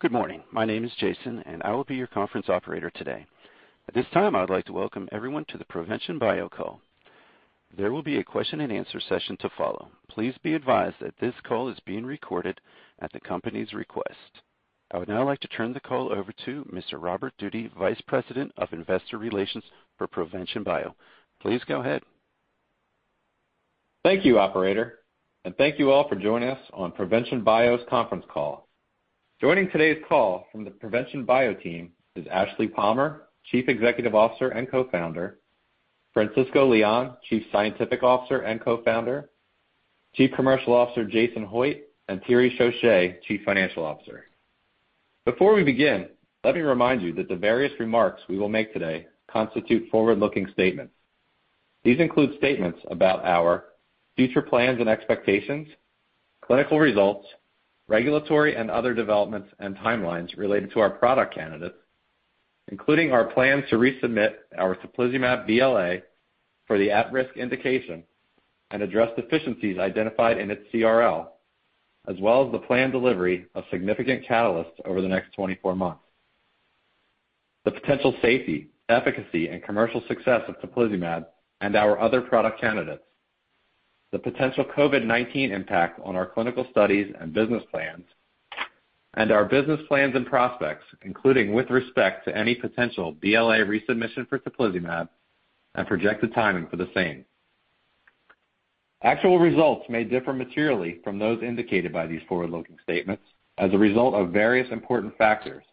Good morning. My name is Jason, and I will be your conference operator today. At this time, I would like to welcome everyone to the Provention Bio call. There will be a question and answer session to follow. Please be advised that this call is being recorded at the company's request. I would now like to turn the call over to Mr. Robert Doody, Vice President of Investor Relations for Provention Bio. Please go ahead. Thank you operator, and thank you all for joining us on Provention Bio's conference call. Joining today's call from the Provention Bio team is Ashleigh Palmer, Chief Executive Officer and Co-Founder; Francisco Leon, Chief Scientific Officer and Co-Founder; Chief Commercial Officer Jason Hoitt; and Thierry Chauche, Chief Financial Officer. Before we begin, let me remind you that the various remarks we will make today constitute forward-looking statements. These include statements about our future plans and expectations, clinical results, regulatory and other developments and timelines related to our product candidates, including our plan to resubmit our teplizumab BLA for the at-risk indication and address deficiencies identified in its CRL, as well as the planned delivery of significant catalysts over the next 24 months. The potential safety, efficacy and commercial success of teplizumab and our other product candidates, the potential COVID-19 impact on our clinical studies and business plans, and our business plans and prospects, including with respect to any potential BLA resubmission for teplizumab and projected timing for the same. Actual results may differ materially from those indicated by these forward-looking statements as a result of various important factors,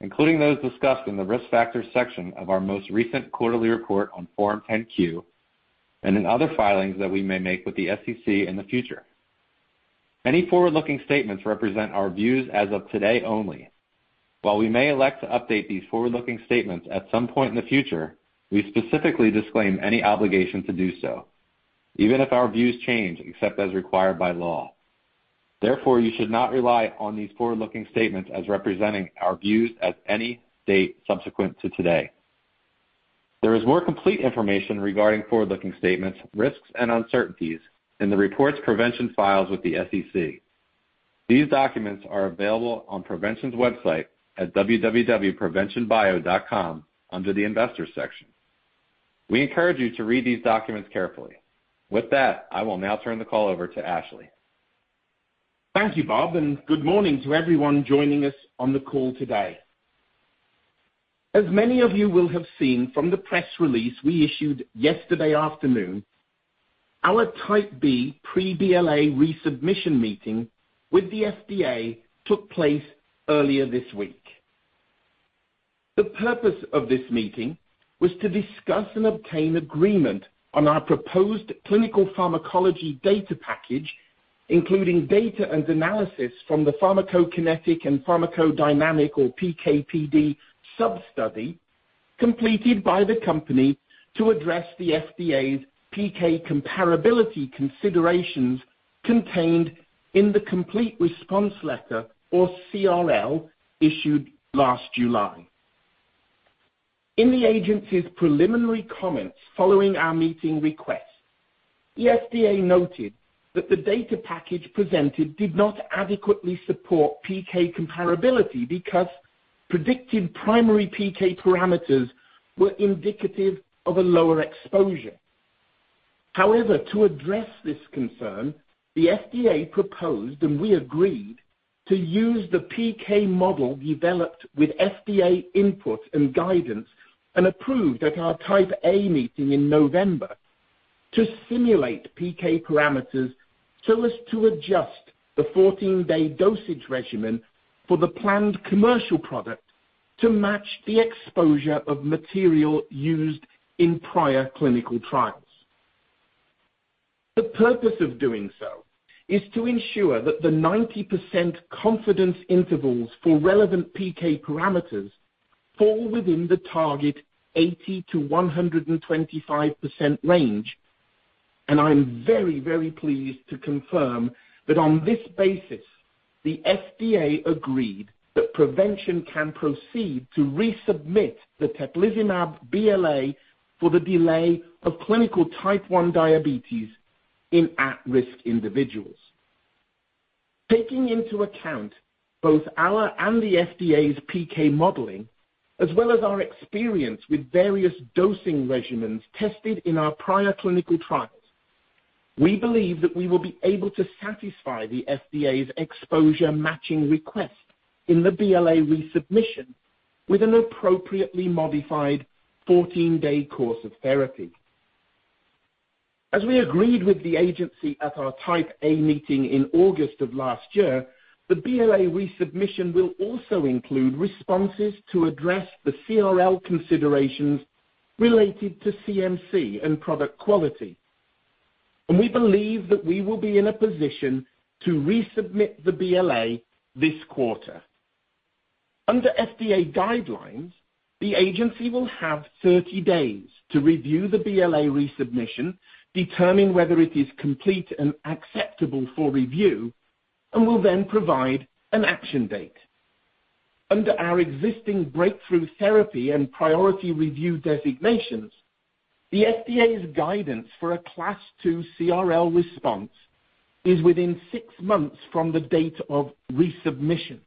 including those discussed in the Risk Factors section of our most recent quarterly report on Form 10-Q and in other filings that we may make with the SEC in the future. Any forward-looking statements represent our views as of today only. While we may elect to update these forward-looking statements at some point in the future, we specifically disclaim any obligation to do so, even if our views change, except as required by law. Therefore, you should not rely on these forward-looking statements as representing our views as of any date subsequent to today. There is more complete information regarding forward-looking statements, risks, and uncertainties in the reports Provention files with the SEC. These documents are available on Provention's website at www.proventionbio.com under the Investors section. We encourage you to read these documents carefully. With that, I will now turn the call over to Ashleigh. Thank you, Bob, and good morning to everyone joining us on the call today. As many of you will have seen from the press release we issued yesterday afternoon, our Type B pre-BLA resubmission meeting with the FDA took place earlier this week. The purpose of this meeting was to discuss and obtain agreement on our proposed clinical pharmacology data package, including data and analysis from the pharmacokinetic and pharmacodynamic, or PK/PD, sub-study completed by the company to address the FDA's PK comparability considerations contained in the complete response letter, or CRL, issued last July. In the agency's preliminary comments following our meeting request, the FDA noted that the data package presented did not adequately support PK comparability because predictive primary PK parameters were indicative of a lower exposure. However, to address this concern, the FDA proposed, and we agreed, to use the PK model developed with FDA input and guidance and approved at our Type A meeting in November to simulate PK parameters so as to adjust the 14-day dosage regimen for the planned commercial product to match the exposure of material used in prior clinical trials. The purpose of doing so is to ensure that the 90% confidence intervals for relevant PK parameters fall within the target 80%-125% range. I'm very, very pleased to confirm that on this basis, the FDA agreed that Provention Bio can proceed to resubmit the teplizumab BLA for the delay of clinical type 1 diabetes in at-risk individuals. Taking into account both our and the FDA's PK modeling, as well as our experience with various dosing regimens tested in our prior clinical trials, we believe that we will be able to satisfy the FDA's exposure matching request in the BLA resubmission with an appropriately modified 14-day course of therapy. As we agreed with the agency at our Type A meeting in August of last year, the BLA resubmission will also include responses to address the CRL considerations related to CMC and product quality. We believe that we will be in a position to resubmit the BLA this quarter. Under FDA guidelines, the agency will have 30 days to review the BLA resubmission, determine whether it is complete and acceptable for review, and will then provide an action date. Under our existing Breakthrough Therapy and priority review designations, the FDA's guidance for a Class 2 CRL response is within six months from the date of resubmission.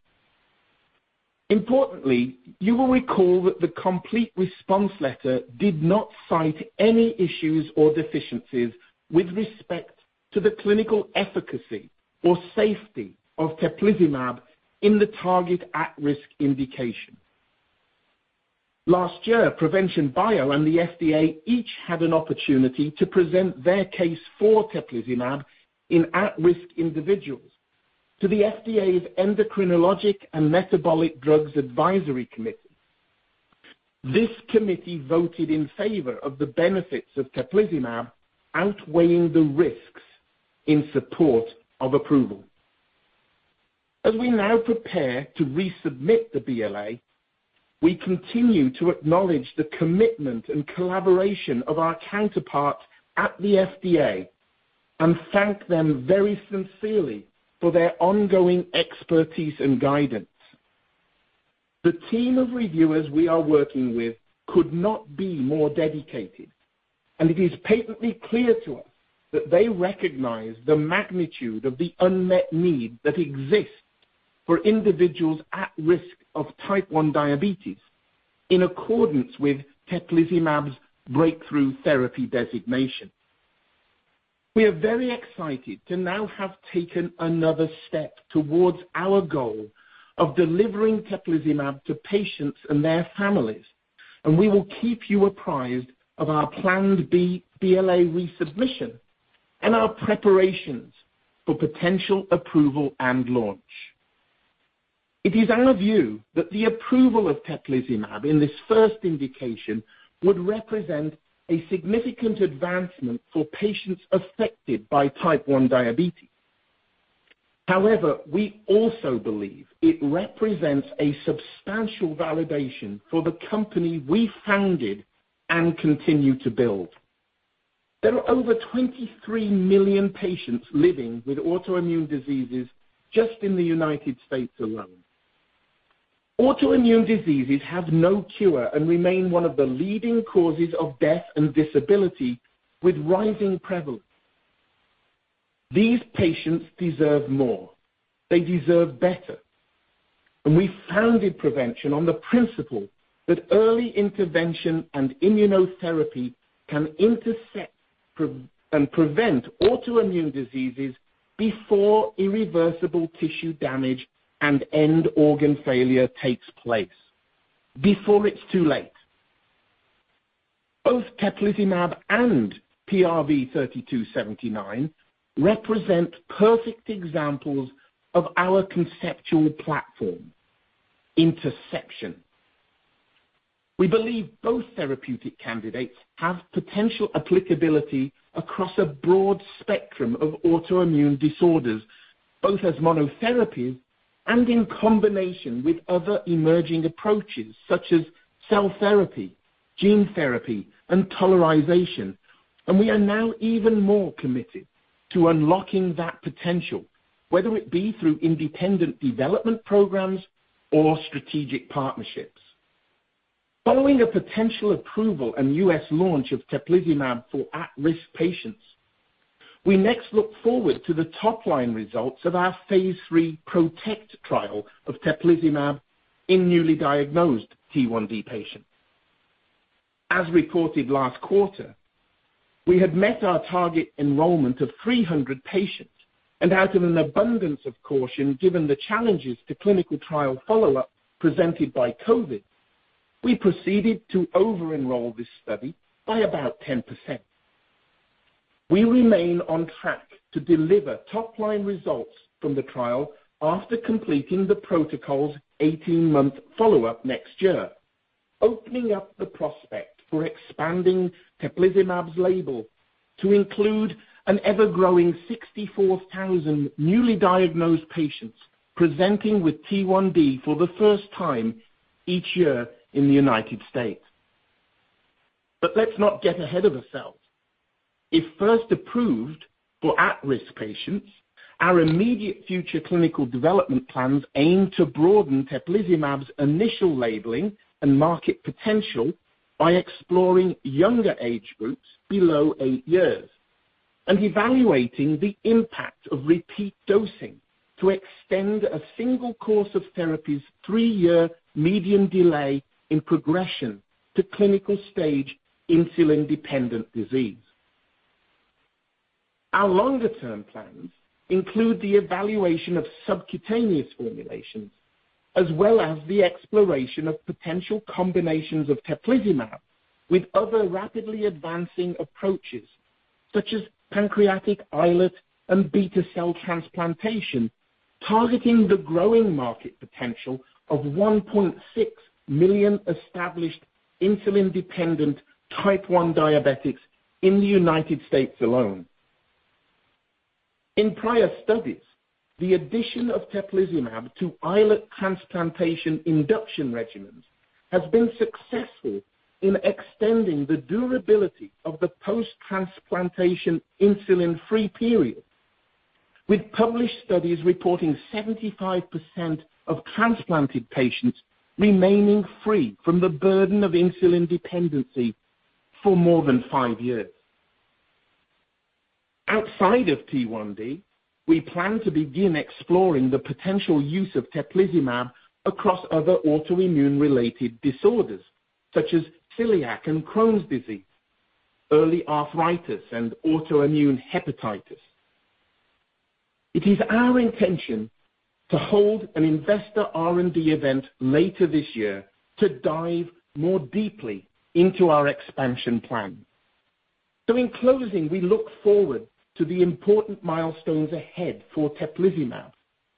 Importantly, you will recall that the complete response letter did not cite any issues or deficiencies with respect to the clinical efficacy or safety of teplizumab in the target at-risk indication. Last year, Provention Bio and the FDA each had an opportunity to present their case for teplizumab in at-risk individuals to the FDA's Endocrinologic and Metabolic Drugs Advisory Committee. This committee voted in favor of the benefits of teplizumab outweighing the risks in support of approval. As we now prepare to resubmit the BLA, we continue to acknowledge the commitment and collaboration of our counterparts at the FDA and thank them very sincerely for their ongoing expertise and guidance. The team of reviewers we are working with could not be more dedicated, and it is patently clear to us that they recognize the magnitude of the unmet need that exists for individuals at risk of type 1 diabetes in accordance with teplizumab's Breakthrough Therapy Designation. We are very excited to now have taken another step towards our goal of delivering teplizumab to patients and their families, and we will keep you apprised of our planned BLA resubmission and our preparations for potential approval and launch. It is our view that the approval of teplizumab in this first indication would represent a significant advancement for patients affected by type 1 diabetes. However, we also believe it represents a substantial validation for the company we founded and continue to build. There are over 23 million patients living with autoimmune diseases just in the United States alone. Autoimmune diseases have no cure and remain one of the leading causes of death and disability with rising prevalence. These patients deserve more. They deserve better. We founded Provention on the principle that early intervention and immunotherapy can intercept and prevent autoimmune diseases before irreversible tissue damage and end organ failure takes place, before it's too late. Both teplizumab and PRV-3279 represent perfect examples of our conceptual platform, interception. We believe both therapeutic candidates have potential applicability across a broad spectrum of autoimmune disorders, both as monotherapy and in combination with other emerging approaches such as cell therapy, gene therapy, and tolerization. We are now even more committed to unlocking that potential, whether it be through independent development programs or strategic partnerships. Following a potential approval and U.S. launch of teplizumab for at-risk patients, we next look forward to the top-line results of our phase III PROTECT trial of teplizumab in newly diagnosed T1D patients. As reported last quarter, we had met our target enrollment of 300 patients and out of an abundance of caution, given the challenges to clinical trial follow-up presented by COVID, we proceeded to over-enroll this study by about 10%. We remain on track to deliver top-line results from the trial after completing the protocol's 18-month follow-up next year, opening up the prospect for expanding teplizumab's label to include an ever-growing 64,000 newly diagnosed patients presenting with T1D for the first time each year in the United States. Let's not get ahead of ourselves. If first approved for at-risk patients, our immediate future clinical development plans aim to broaden teplizumab's initial labeling and market potential by exploring younger age groups below eight years and evaluating the impact of repeat dosing to extend a single course of therapy's three-year median delay in progression to clinical stage insulin-dependent disease. Our longer-term plans include the evaluation of subcutaneous formulations, as well as the exploration of potential combinations of teplizumab with other rapidly advancing approaches such as pancreatic islet and beta cell transplantation, targeting the growing market potential of 1.6 million established insulin-dependent type 1 diabetics in the United States alone. In prior studies, the addition of teplizumab to islet transplantation induction regimens has been successful in extending the durability of the post-transplantation insulin-free period. With published studies reporting 75% of transplanted patients remaining free from the burden of insulin dependency for more than fiive years. Outside of T1D, we plan to begin exploring the potential use of teplizumab across other autoimmune related disorders such as celiac and Crohn's disease, early arthritis and autoimmune hepatitis. It is our intention to hold an investor R&D event later this year to dive more deeply into our expansion plan. In closing, we look forward to the important milestones ahead for teplizumab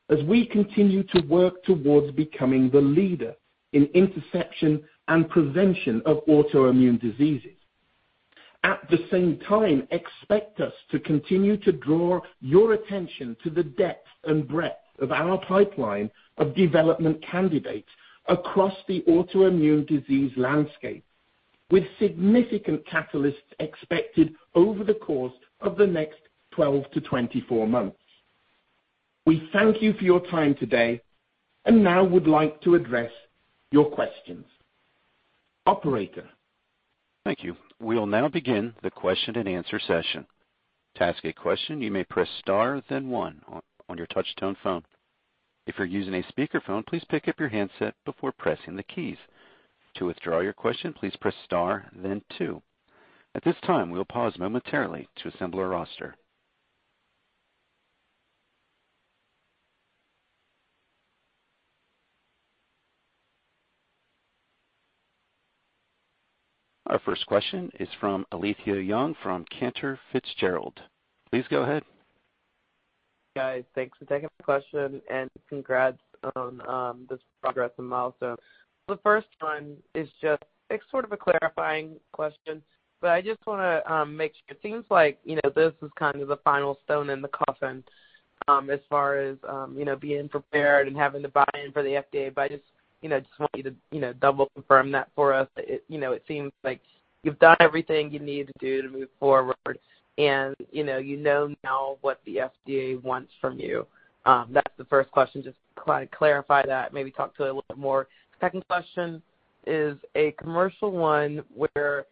as we continue to work towards becoming the leader in interception and prevention of autoimmune diseases. At the same time, expect us to continue to draw your attention to the depth and breadth of our pipeline of development candidates across the autoimmune disease landscape, with significant catalysts expected over the course of the next 12-24 months. We thank you for your time today, and now would like to address your questions. Operator. Thank you. We will now begin the question and answer session. To ask a question, you may press star then one on your touch tone phone. If you're using a speaker phone, please pick up your handset before pressing the keys. To withdraw your question, please press star then two. At this time, we will pause momentarily to assemble a roster. Our first question is from Alethia Young from Cantor Fitzgerald. Please go ahead. Guys, thanks for taking the question and congrats on this progress and milestone. The first one is just it's sort of a clarifying question, but I just wanna make sure. It seems like you know this is kind of the final stone in the coffin as far as you know being prepared and having the buy-in for the FDA. I just you know just want you to you know double confirm that for us. You know it seems like you've done everything you need to do to move forward and you know now what the FDA wants from you. That's the first question. Just clarify that, maybe talk to it a little bit more. Second question is a commercial one where,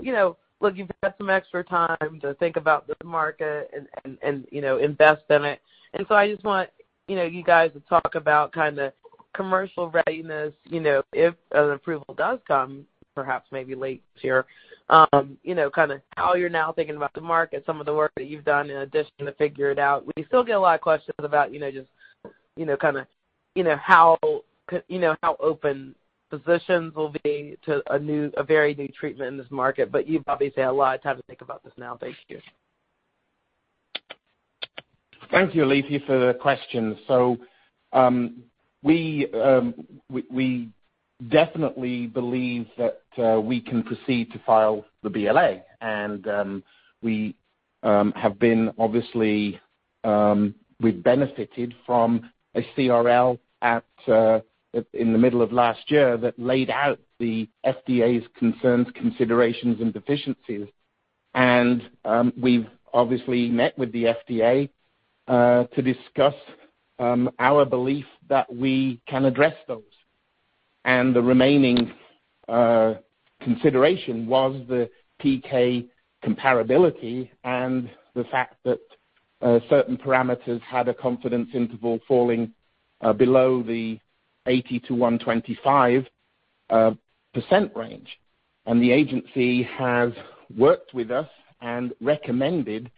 you know, look, you've got some extra time to think about the market and, you know, invest in it. I just want, you know, you guys to talk about kinda commercial readiness, you know, if an approval does come perhaps maybe late this year. You know, kinda how you're now thinking about the market, some of the work that you've done in addition to figure it out. We still get a lot of questions about, you know, just, you know, kinda, you know, how open physicians will be to a very new treatment in this market, but you've obviously a lot of time to think about this now. Thank you. Thank you, Alethia, for the question. We definitely believe that we can proceed to file the BLA. We have obviously benefited from a CRL in the middle of last year that laid out the FDA's concerns, considerations and deficiencies. We've obviously met with the FDA to discuss our belief that we can address those. The remaining consideration was the PK comparability and the fact that certain parameters had a confidence interval falling below the 80-125% range. The agency has worked with us and recommended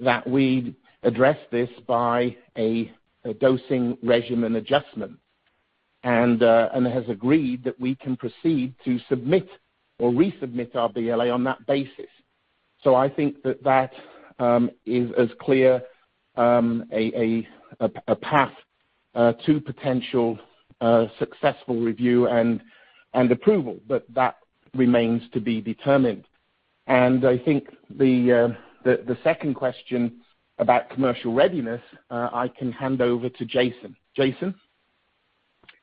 that we address this by a dosing regimen adjustment and has agreed that we can proceed to submit or resubmit our BLA on that basis. I think that is as clear a path to potential successful review and approval, but that remains to be determined. I think the second question about commercial readiness, I can hand over to Jason. Jason?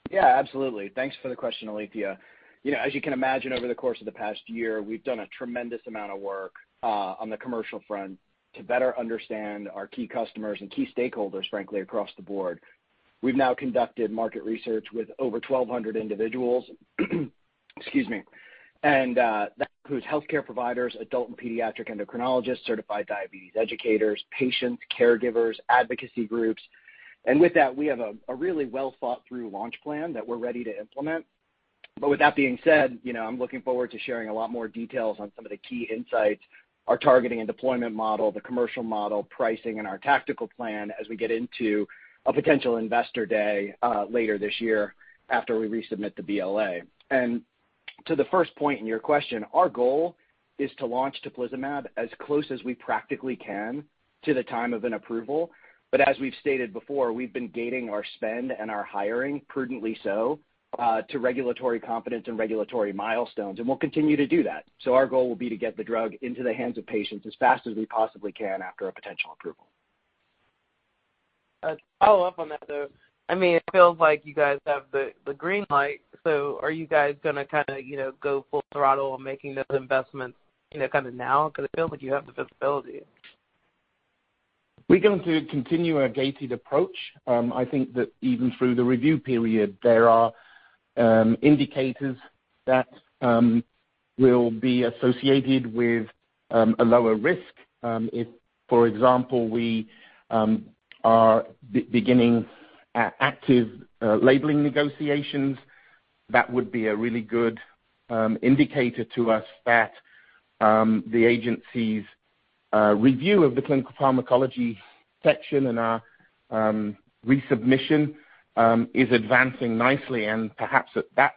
Yeah, absolutely. Thanks for the question, Alethia. You know, as you can imagine, over the course of the past year, we've done a tremendous amount of work on the commercial front to better understand our key customers and key stakeholders, frankly, across the board. We've now conducted market research with over 1,200 individuals. Excuse me. That includes healthcare providers, adult and pediatric endocrinologists, certified diabetes educators, patients, caregivers, advocacy groups. With that, we have a really well thought through launch plan that we're ready to implement. With that being said, you know, I'm looking forward to sharing a lot more details on some of the key insights, our targeting and deployment model, the commercial model, pricing and our tactical plan as we get into a potential investor day later this year after we resubmit the BLA. To the first point in your question, our goal is to launch teplizumab as close as we practically can to the time of an approval. As we've stated before, we've been gating our spend and our hiring prudently so to regulatory confidence and regulatory milestones, and we'll continue to do that. Our goal will be to get the drug into the hands of patients as fast as we possibly can after a potential approval. A follow-up on that, though. I mean, it feels like you guys have the green light. So are you guys gonna kinda, you know, go full throttle making those investments, you know, kinda now? 'Cause it feels like you have the visibility. We're going to continue our gated approach. I think that even through the review period, there are indicators that will be associated with a lower risk. If, for example, we are beginning active labeling negotiations, that would be a really good indicator to us that the agency's review of the clinical pharmacology section and our resubmission is advancing nicely. Perhaps at that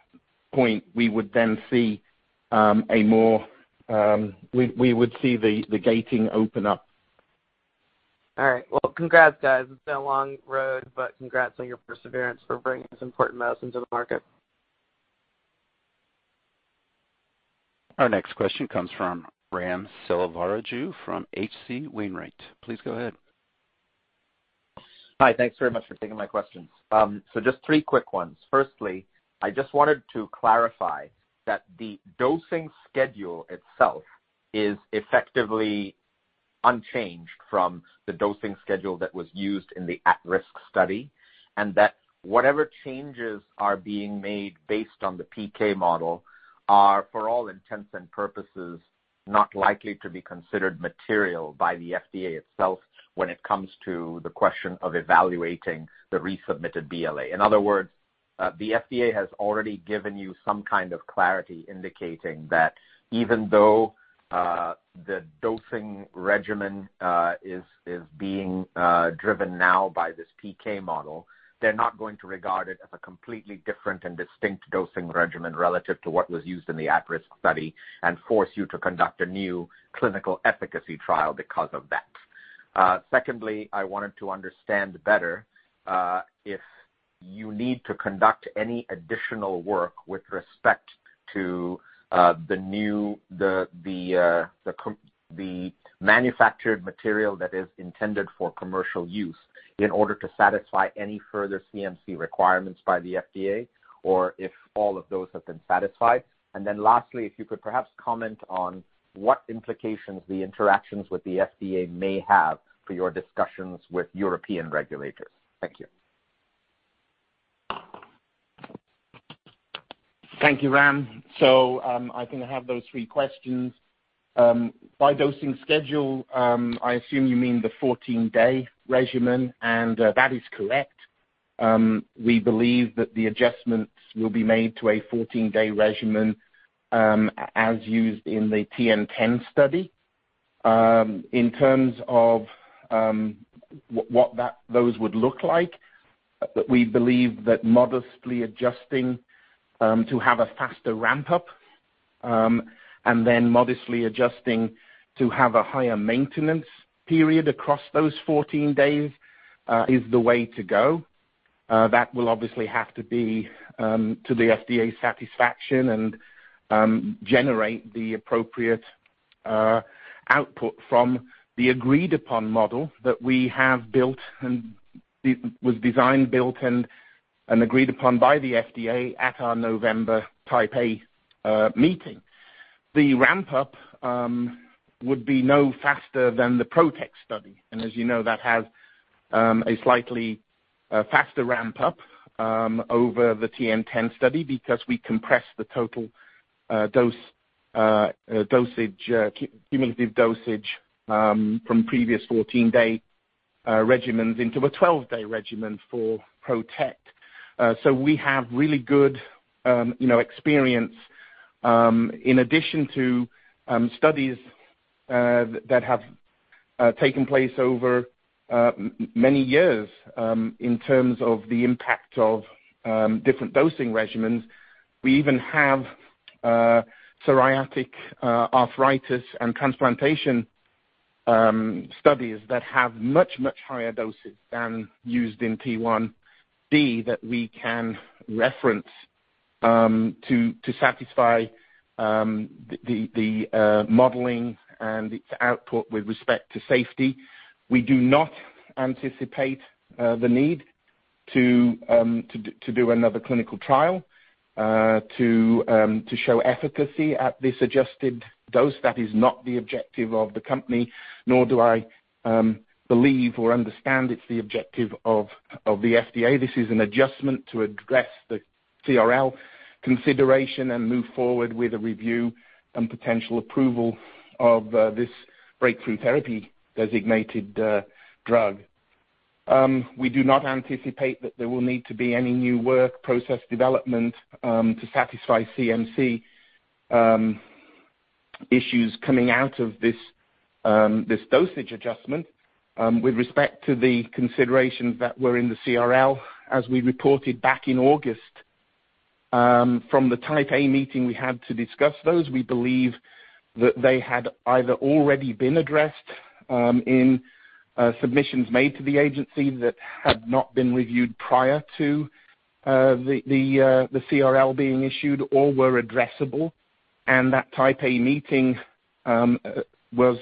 point, we would then see the gating open up. All right. Well, congrats, guys. It's been a long road, but congrats on your perseverance for bringing this important medicine to the market. Our next question comes from Ram Selvaraju from H.C. Wainwright. Please go ahead. Hi. Thanks very much for taking my questions. So just three quick ones. Firstly, I just wanted to clarify that the dosing schedule itself is effectively unchanged from the dosing schedule that was used in the at-risk study, and that whatever changes are being made based on the PK model are, for all intents and purposes, not likely to be considered material by the FDA itself when it comes to the question of evaluating the resubmitted BLA. In other words, the FDA has already given you some kind of clarity indicating that even though the dosing regimen is being driven now by this PK model, they're not going to regard it as a completely different and distinct dosing regimen relative to what was used in the at-risk study and force you to conduct a new clinical efficacy trial because of that. Secondly, I wanted to understand better if you need to conduct any additional work with respect to the manufactured material that is intended for commercial use in order to satisfy any further CMC requirements by the FDA, or if all of those have been satisfied. Lastly, if you could perhaps comment on what implications the interactions with the FDA may have for your discussions with European regulators. Thank you. Thank you, Ram. I think I have those three questions. By dosing schedule, I assume you mean the 14-day regimen, and that is correct. We believe that the adjustments will be made to a 14-day regimen, as used in the TN-10 study. In terms of what those would look like, we believe that modestly adjusting to have a faster ramp-up, and then modestly adjusting to have a higher maintenance period across those 14 days, is the way to go. That will obviously have to be to the FDA's satisfaction and generate the appropriate output from the agreed-upon model that we have built and it was designed, built, and agreed upon by the FDA at our November Type A meeting. The ramp-up would be no faster than the PROTECT study, and as you know, that had a slightly faster ramp-up over the TN-10 study because we compressed the total cumulative dosage from previous 14-day regimens into a 12-day regimen for PROTECT. So we have really good, you know, experience, in addition to studies that have taken place over many years, in terms of the impact of different dosing regimens. We even have psoriatic arthritis and transplantation studies that have much higher doses than used in T1D that we can reference to satisfy the modeling and its output with respect to safety. We do not anticipate the need to do another clinical trial to show efficacy at this adjusted dose. That is not the objective of the company, nor do I believe or understand it's the objective of the FDA. This is an adjustment to address the CRL consideration and move forward with a review and potential approval of this breakthrough therapy designated drug. We do not anticipate that there will need to be any new work process development to satisfy CMC issues coming out of this dosage adjustment with respect to the considerations that were in the CRL. As we reported back in August, from the Type A meeting we had to discuss those, we believe that they had either already been addressed in submissions made to the agency that had not been reviewed prior to the CRL being issued or were addressable. That Type A meeting was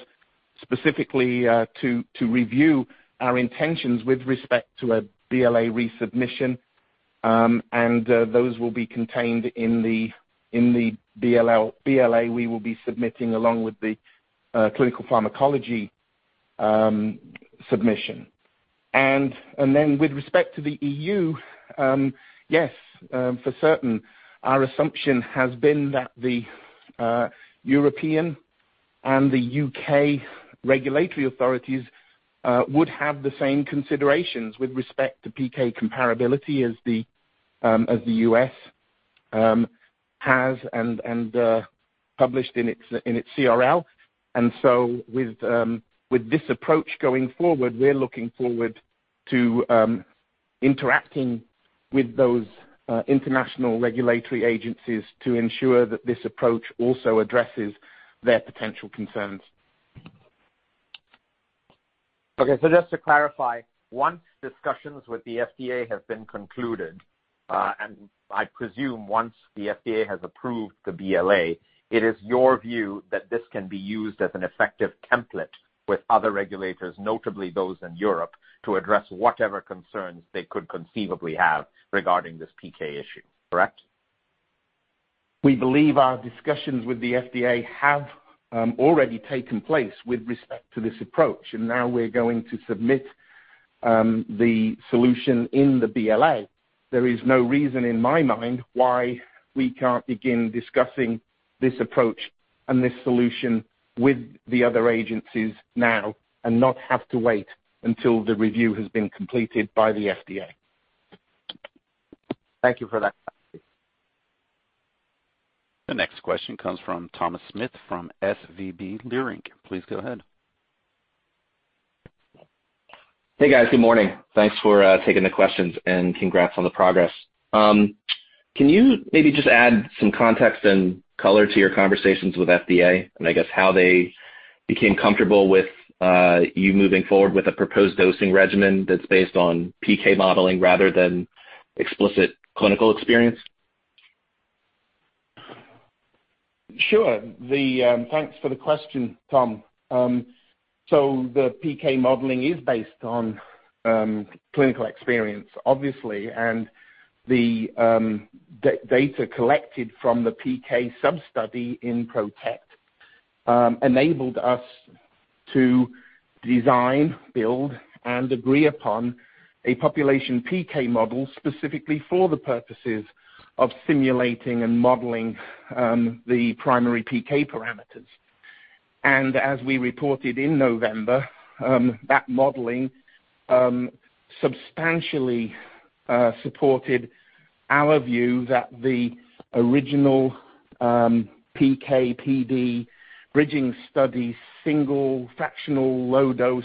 specifically to review our intentions with respect to a BLA resubmission, and those will be contained in the BLA we will be submitting along with the clinical pharmacology submission. With respect to the EU, yes, for certain, our assumption has been that the European and the U.K. regulatory authorities would have the same considerations with respect to PK comparability as the U.S. has and published in its CRL. With this approach going forward, we're looking forward to interacting with those international regulatory agencies to ensure that this approach also addresses their potential concerns. Okay. Just to clarify, once discussions with the FDA have been concluded, and I presume once the FDA has approved the BLA, it is your view that this can be used as an effective template with other regulators, notably those in Europe, to address whatever concerns they could conceivably have regarding this PK issue, correct? We believe our discussions with the FDA have already taken place with respect to this approach, and now we're going to submit the solution in the BLA. There is no reason in my mind why we can't begin discussing this approach and this solution with the other agencies now and not have to wait until the review has been completed by the FDA. Thank you for that. The next question comes from Thomas Smith from SVB Leerink. Please go ahead. Hey, guys. Good morning. Thanks for taking the questions, and congrats on the progress. Can you maybe just add some context and color to your conversations with FDA, and I guess how they became comfortable with you moving forward with a proposed dosing regimen that's based on PK modeling rather than explicit clinical experience? Sure. Thanks for the question, Tom. The PK modeling is based on clinical experience, obviously. The data collected from the PK sub-study in PROTECT enabled us to design, build, and agree upon a population PK model specifically for the purposes of simulating and modeling the primary PK parameters. As we reported in November, that modeling substantially supported our view that the original PK/PD bridging study, single fractional low dose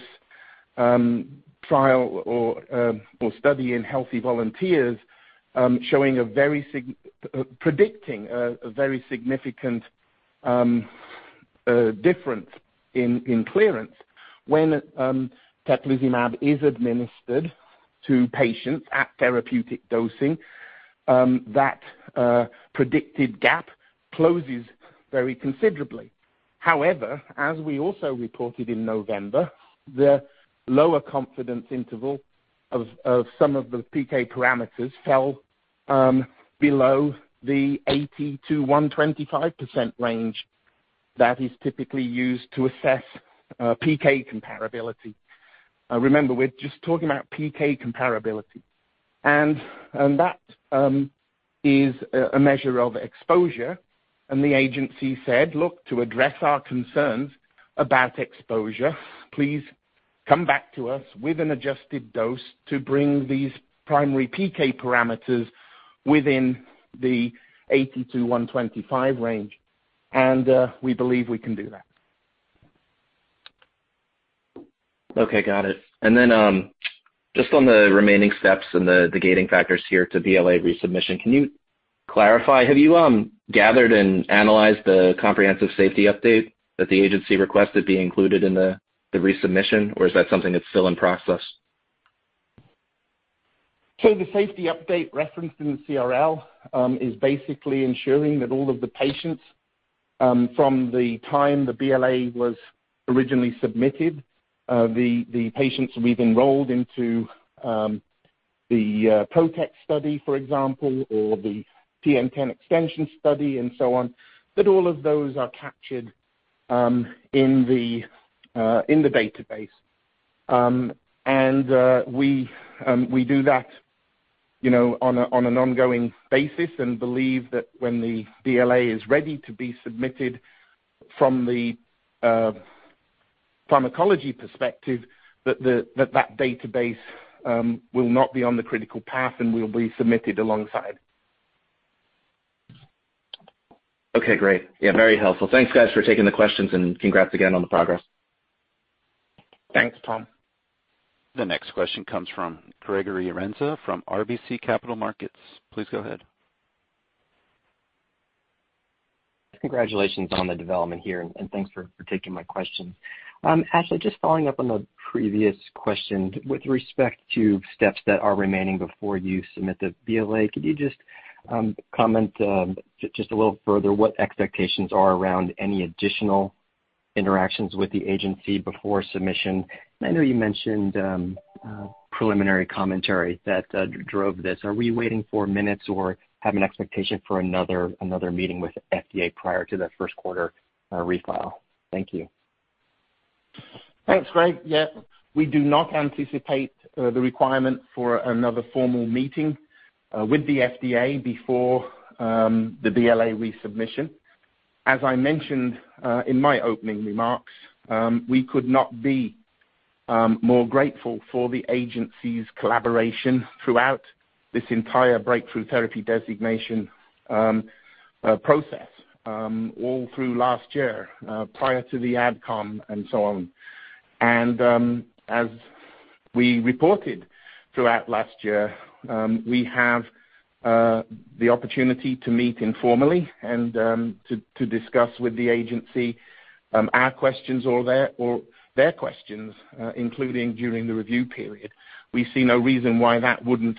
trial or study in healthy volunteers predicting a very significant difference in clearance. When teplizumab is administered to patients at therapeutic dosing, that predicted gap closes very considerably. However, as we also reported in November, the lower confidence interval of some of the PK parameters fell below the 80%-125% range that is typically used to assess PK comparability. Remember, we're just talking about PK comparability. That is a measure of exposure. The agency said, "Look, to address our concerns about exposure, please come back to us with an adjusted dose to bring these primary PK parameters within the 80%-125% range." We believe we can do that. Okay, got it. Just on the remaining steps and the gating factors here to BLA resubmission, can you clarify, have you gathered and analyzed the comprehensive safety update that the agency requested be included in the resubmission, or is that something that's still in process? The safety update referenced in the CRL is basically ensuring that all of the patients from the time the BLA was originally submitted, the patients we've enrolled into the PROTECT study, for example, or the TN-10 extension study and so on, that all of those are captured in the database. We do that, you know, on an ongoing basis and believe that when the BLA is ready to be submitted from the pharmacology perspective, that the database will not be on the critical path and will be submitted alongside. Okay, great. Yeah, very helpful. Thanks, guys, for taking the questions, and congrats again on the progress. Thanks, Tom. The next question comes from Gregory Renza from RBC Capital Markets. Please go ahead. Congratulations on the development here, and thanks for taking my question. Actually just following up on the previous question. With respect to steps that are remaining before you submit the BLA, could you just comment just a little further what expectations are around any additional interactions with the agency before submission? I know you mentioned preliminary commentary that drove this. Are we waiting for minutes or have an expectation for another meeting with FDA prior to that first quarter refile? Thank you. Thanks, Greg. Yeah, we do not anticipate the requirement for another formal meeting with the FDA before the BLA resubmission. As I mentioned in my opening remarks, we could not be more grateful for the agency's collaboration throughout this entire Breakthrough Therapy Designation process all through last year prior to the AdCom and so on. As we reported throughout last year, we have the opportunity to meet informally and to discuss with the agency our questions or their questions including during the review period. We see no reason why that wouldn't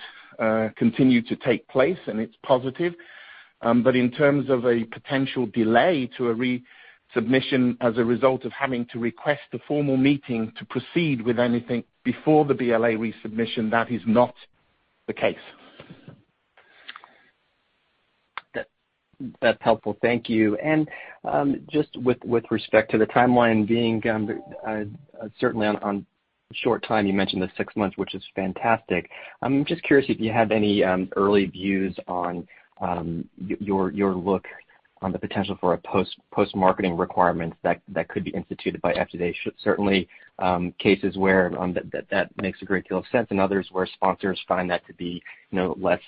continue to take place, and it's positive. In terms of a potential delay to a resubmission as a result of having to request a formal meeting to proceed with anything before the BLA resubmission, that is not the case. That's helpful. Thank you. Just with respect to the timeline being certainly on short time, you mentioned the six months, which is fantastic. I'm just curious if you have any early views on your look on the potential for a post-marketing requirement that could be instituted by FDA. Certainly cases where that makes a great deal of sense, and others where sponsors find that to be, you know, less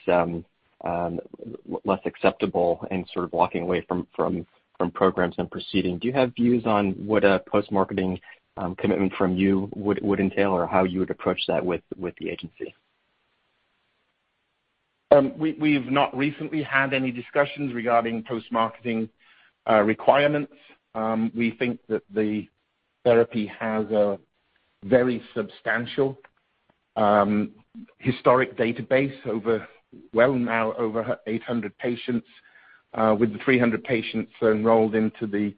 acceptable and sort of walking away from programs and proceeding. Do you have views on what a post-marketing commitment from you would entail or how you would approach that with the agency? We've not recently had any discussions regarding post-marketing requirements. We think that the therapy has a very substantial historic database now over 800 patients with 300 patients enrolled into the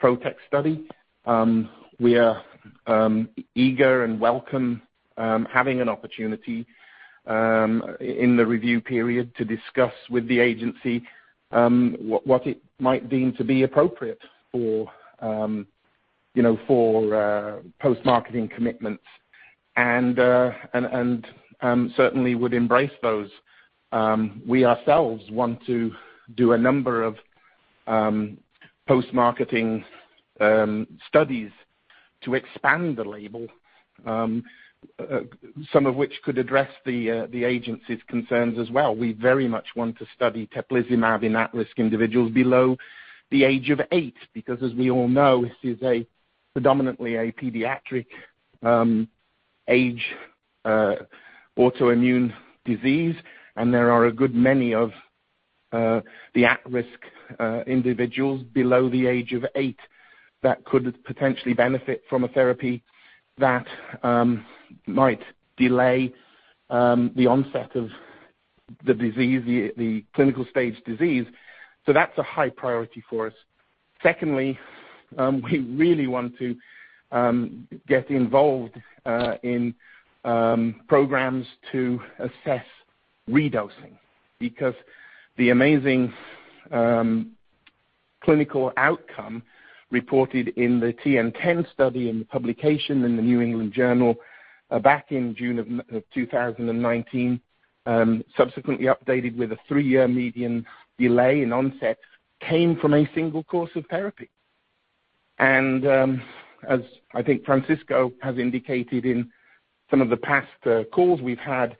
PROTECT study. We are eager and welcome having an opportunity in the review period to discuss with the agency what it might deem to be appropriate for, you know, for post-marketing commitments and certainly would embrace those. We ourselves want to do a number of post-marketing studies to expand the label, some of which could address the agency's concerns as well. We very much want to study teplizumab in at-risk individuals below the age of 8 because as we all know, this is predominantly a pediatric age autoimmune disease, and there are a good many of the at-risk individuals below the age of 8 that could potentially benefit from a therapy that might delay the onset of the disease, the clinical stage disease. That's a high priority for us. Secondly, we really want to get involved in programs to assess redosing because the amazing clinical outcome reported in the TN-10 study in the publication in the New England Journal back in June of 2019, subsequently updated with a three-year median delay in onset, came from a single course of therapy. I think Francisco has indicated in some of the past calls we've had,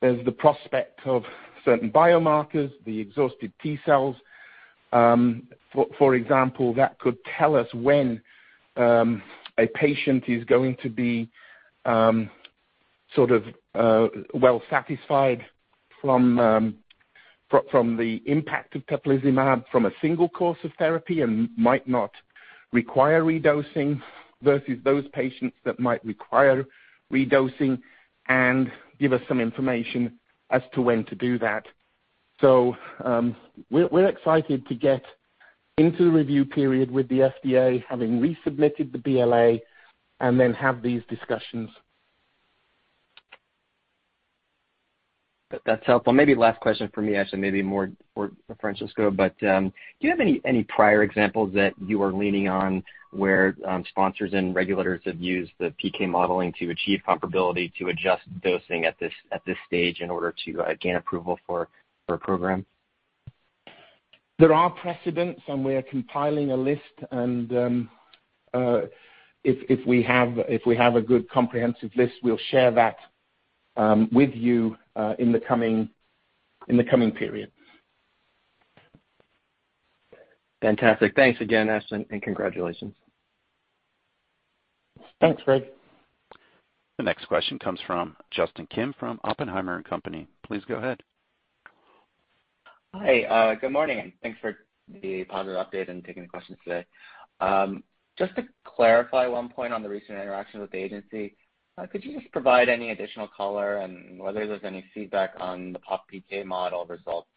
there's the prospect of certain biomarkers, the exhausted T cells, for example, that could tell us when a patient is going to be sort of well satisfied from the impact of teplizumab from a single course of therapy and might not require redosing versus those patients that might require redosing and give us some information as to when to do that. We're excited to get into the review period with the FDA having resubmitted the BLA and then have these discussions. That's helpful. Maybe last question for me, actually maybe more for Francisco. Do you have any prior examples that you are leaning on where sponsors and regulators have used the PK modeling to achieve comparability to adjust dosing at this stage in order to gain approval for a program? There are precedents and we are compiling a list and, if we have a good comprehensive list, we'll share that with you in the coming period. Fantastic. Thanks again, Ash, and congratulations. Thanks, Greg. The next question comes from Justin Kim from Oppenheimer & Company. Please go ahead. Hi, good morning, and thanks for the positive update and taking the questions today. Just to clarify one point on the recent interaction with the agency, could you just provide any additional color on whether there's any feedback on the pop PK model results?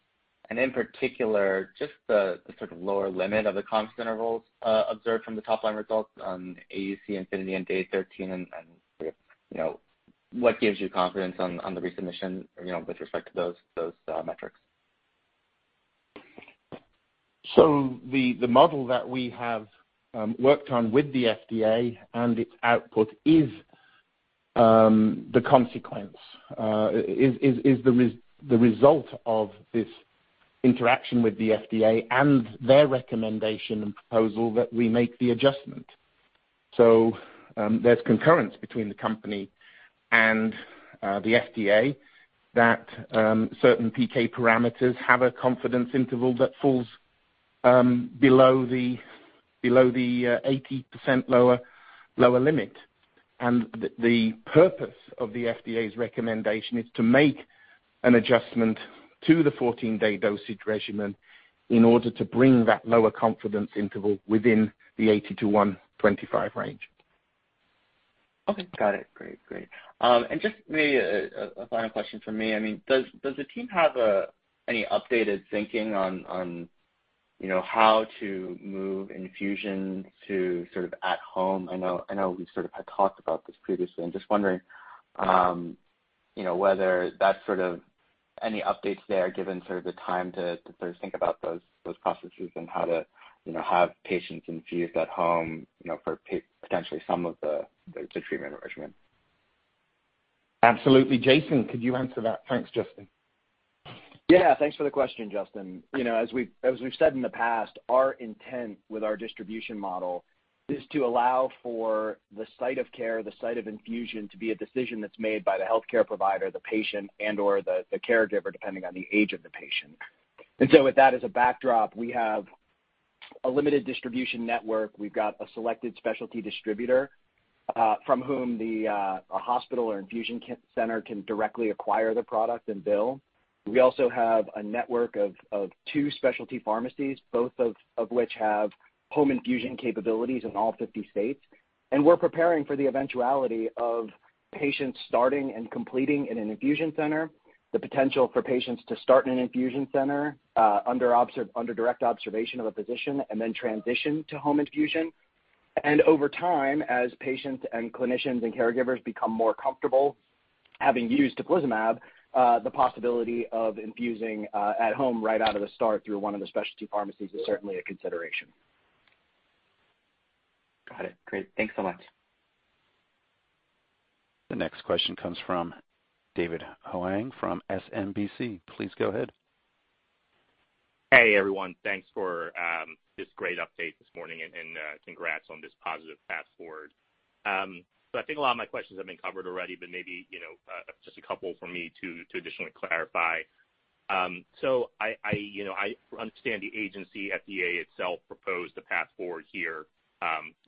In particular, just the sort of lower limit of the confidence intervals observed from the top-line results on AUC infinity and day 13 and, you know, what gives you confidence on the resubmission, you know, with respect to those metrics. The model that we have worked on with the FDA and its output is the result of this interaction with the FDA and their recommendation and proposal that we make the adjustment. There's concurrence between the company and the FDA that certain PK parameters have a confidence interval that falls below the 80% lower limit. The purpose of the FDA's recommendation is to make an adjustment to the 14-day dosage regimen in order to bring that lower confidence interval within the 80%-125% range. Okay. Got it. Great. Just maybe a final question from me. I mean, does the team have any updated thinking on you know, how to move infusion to sort of at home? I know we've sort of had talked about this previously. I'm just wondering, you know, whether that's sort of any updates there given sort of the time to sort of think about those processes and how to, you know, have patients infused at home, you know, for potentially some of the treatment regimen. Absolutely. Jason, could you answer that? Thanks, Justin. Yeah. Thanks for the question, Justin. You know, as we've said in the past, our intent with our distribution model is to allow for the site of care, the site of infusion to be a decision that's made by the healthcare provider, the patient and/or the caregiver, depending on the age of the patient. With that as a backdrop, we have a limited distribution network. We've got a selected specialty distributor from whom a hospital or infusion center can directly acquire the product and bill. We also have a network of two specialty pharmacies, both of which have home infusion capabilities in all 50 states. We're preparing for the eventuality of patients starting and completing in an infusion center, the potential for patients to start in an infusion center, under direct observation of a physician and then transition to home infusion. Over time, as patients and clinicians and caregivers become more comfortable having used teplizumab, the possibility of infusing at home right out of the start through one of the specialty pharmacies is certainly a consideration. Got it. Great. Thanks so much. The next question comes from David Hoang from SMBC. Please go ahead. Hey, everyone. Thanks for this great update this morning and congrats on this positive path forward. I think a lot of my questions have been covered already, but maybe, you know, just a couple from me to additionally clarify. I understand the agency, FDA itself, proposed the path forward here,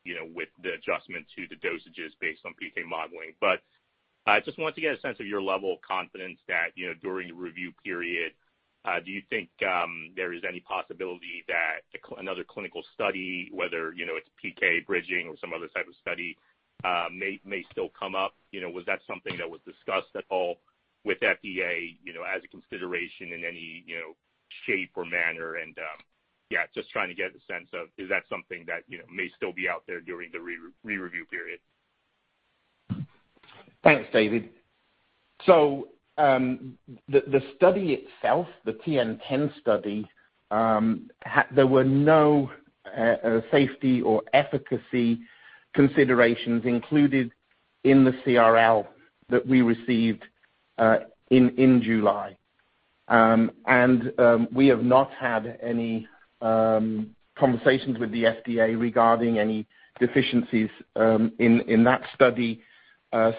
you know, with the adjustment to the dosages based on PK modeling. I just want to get a sense of your level of confidence that, you know, during the review period, do you think there is any possibility that another clinical study, whether, you know, it's PK bridging or some other type of study, may still come up? You know, was that something that was discussed at all with FDA, you know, as a consideration in any, you know, shape or manner? Yeah, just trying to get a sense of is that something that, you know, may still be out there during the re-review period? Thanks, David. The study itself, the TN-10 study, there were no safety or efficacy considerations included in the CRL that we received in July. We have not had any conversations with the FDA regarding any deficiencies in that study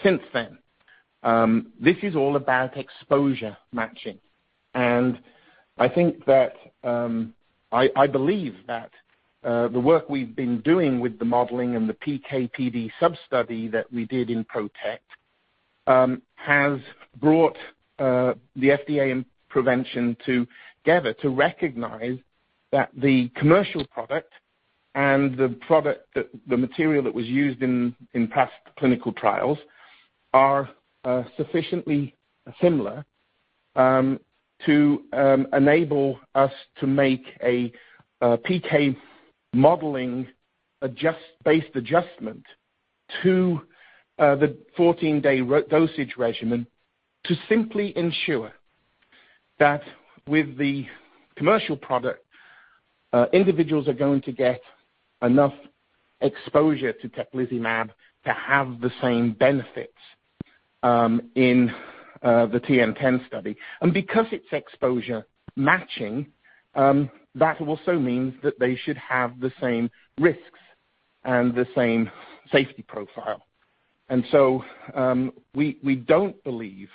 since then. This is all about exposure matching. I think that I believe that the work we've been doing with the modeling and the PK/PD sub-study that we did in PROTECT has brought the FDA and Provention together to recognize that the commercial product and the product that the material that was used in past clinical trials are sufficiently similar to enable us to make a PK modeling based adjustment to the 14-day dosage regimen to simply ensure that with the commercial product individuals are going to get enough exposure to teplizumab to have the same benefits in the TN-10 study. Because it's exposure matching that also means that they should have the same risks and the same safety profile. We don't believe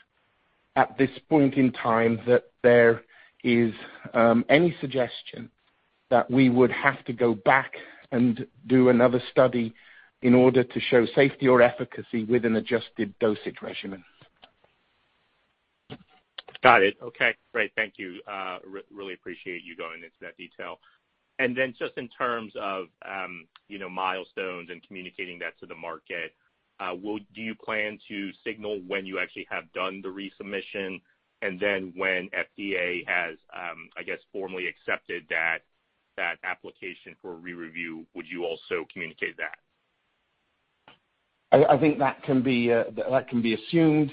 at this point in time that there is any suggestion that we would have to go back and do another study in order to show safety or efficacy with an adjusted dosage regimen. Got it. Okay, great. Thank you. Really appreciate you going into that detail. Then just in terms of, you know, milestones and communicating that to the market, do you plan to signal when you actually have done the resubmission and then when FDA has, I guess, formally accepted that application for re-review, would you also communicate that? I think that can be assumed.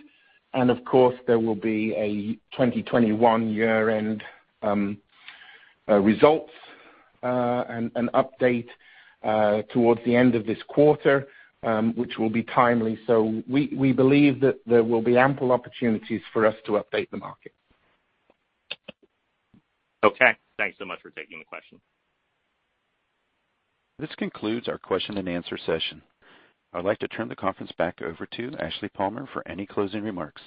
Of course, there will be a 2021 year-end results and update towards the end of this quarter, which will be timely. We believe that there will be ample opportunities for us to update the market. Okay. Thanks so much for taking the question. This concludes our question and answer session. I'd like to turn the conference back over to Ashleigh Palmer for any closing remarks.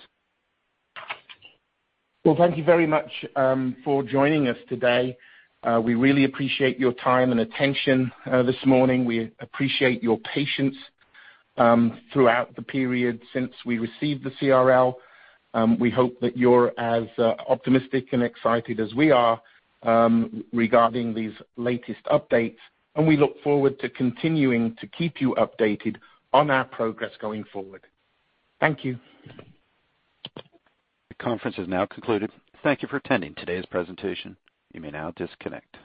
Well, thank you very much for joining us today. We really appreciate your time and attention this morning. We appreciate your patience throughout the period since we received the CRL. We hope that you're as optimistic and excited as we are regarding these latest updates, and we look forward to continuing to keep you updated on our progress going forward. Thank you. The conference is now concluded. Thank you for attending today's presentation. You may now disconnect.